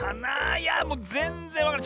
いやもうぜんぜんわからない。